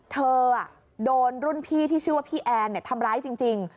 เธอโดนรุ่นพี่ที่ชื่อว่าพี่แอนทำร้ายจริง